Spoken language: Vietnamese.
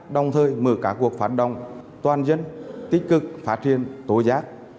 đồng thời mở các cuộc phản động toàn dân tích cực phát triển tối giác